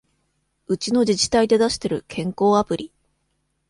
うちの自治体で出してる健康アプリ